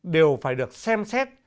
đều phải được xem xét